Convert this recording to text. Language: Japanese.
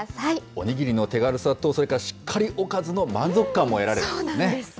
おにぎりの手軽さと、それとしっかりおかずの満足感も得られるんですね。